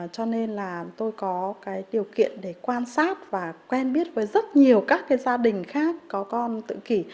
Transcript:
cho nên là tôi có cái điều kiện để quan sát và quen biết với rất nhiều các gia đình khác có con tự kỷ